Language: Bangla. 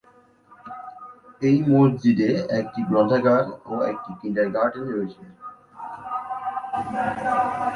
এই মসজিদে একটি গ্রন্থাগার ও একটি কিন্ডারগার্টেন রয়েছে।